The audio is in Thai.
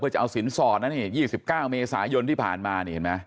จะเอาสินสอดนะนี่๒๙เมษายนที่ผ่านมานี่เห็นไหม